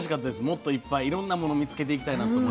もっといっぱいいろんなもの見つけていきたいなと思いました。